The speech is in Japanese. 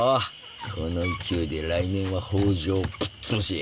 この勢いで来年は北条をぶっ潰し